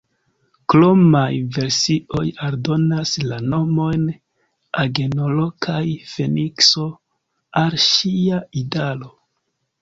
Kromaj versioj aldonas la nomojn Agenoro kaj Fenikso al ŝia idaro.